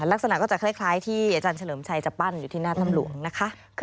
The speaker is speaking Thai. ลักษณะก็จะคล้ายที่อาจารย์เฉลิมชัยจะปั้นอยู่ที่หน้าถ้ำหลวงนะคะ